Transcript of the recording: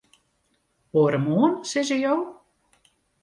Oaremoarn, sizze jo?